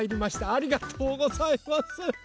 ありがとうございます！